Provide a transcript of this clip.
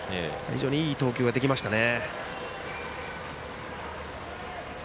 いい投球ができましたね。